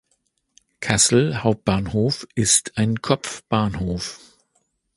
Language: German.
Kassel Hauptbahnhof ist ein Kopfbahnhof.